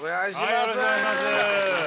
よろしくお願いします。